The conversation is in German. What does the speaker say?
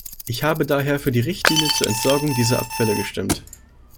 Ich habe daher für die Richtlinie zur Entsorgung dieser Abfälle gestimmt.